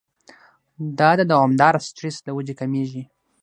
دا د دوامداره سټرېس له وجې کميږي